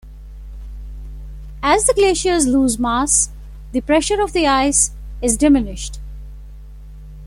As the glaciers lose mass, the pressure of the ice is diminished.